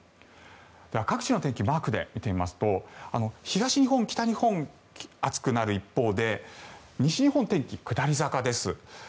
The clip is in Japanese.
では、各地の天気マークで見てみますと東日本、北日本、暑くなる一方で西日本の天気は下り坂です。